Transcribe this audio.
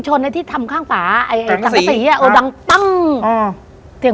จังกับสี